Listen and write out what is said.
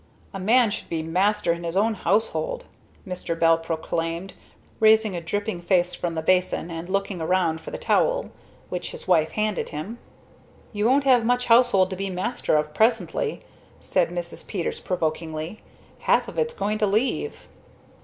"A man should be master in his own household," Mr. Bell proclaimed, raising a dripping face from the basin and looking around for the towel which his wife handed him. "You won't have much household to be master of presently," said Mrs. Peters provokingly. "Half of it's going to leave."